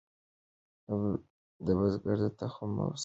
بزګر ته تخم او سره ورکړئ.